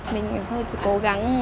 mình thôi cố gắng